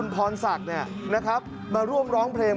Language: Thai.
และก็มีการกินยาละลายริ่มเลือดแล้วก็ยาละลายขายมันมาเลยตลอดครับ